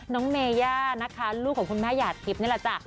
น้องเมย่านะคะลูกของคุณแม่หยาดทิพย์นี่แหละจ้ะ